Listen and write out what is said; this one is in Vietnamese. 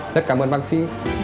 rất cảm ơn bác sĩ